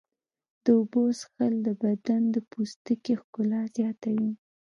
د اوبو څښل د بدن د پوستکي ښکلا زیاتوي.